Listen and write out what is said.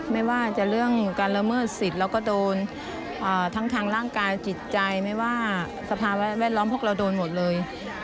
ไม่ว่าจะเรื่องการละเมิดสิทธิ์แล้วก็โดนทั้งทางร่างกายจิตใจไม่ว่าสภาวะแวดล้อมพวกเราโดนหมดเลย